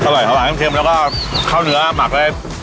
อร่อยเยอะหวานเข็มเข้าเนื้อหมักใดสุดยอดค่ะตกใจ